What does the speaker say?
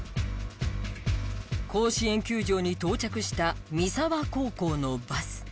甲子園球場に到着した三沢高校のバス。